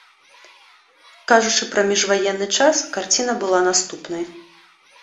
Кажучы пра міжваенны час, карціна была наступнай.